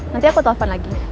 nanti aku telepon lagi